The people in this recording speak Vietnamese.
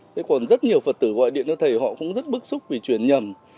thế còn rất nhiều phật tử gọi điện cho thầy họ cũng rất bức xúc vì chuyển nhầm